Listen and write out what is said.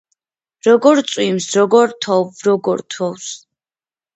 როგორ წვიმს როგორ თოვ როგორთოვს